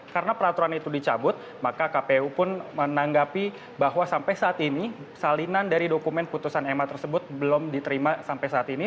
karena peraturan itu dicabut maka kpu pun menanggapi bahwa sampai saat ini salinan dari dokumen putusan ma tersebut belum diterima sampai saat ini